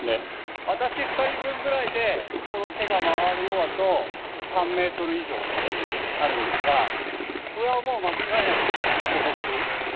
私２人分ぐらいでちょうど手が回るようだと３ｍ以上あるんですがこれはもう間違いなく巨木。